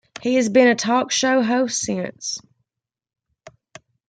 He has been a talk show host since.